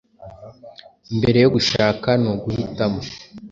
mbere yo gushaka ni uguhitamo